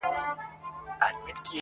اوس به سخته سزا درکړمه و تاته,